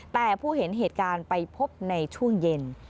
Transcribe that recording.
แต่ผู้เห็นเหตุการณ์ไปพบในช่วงเย็น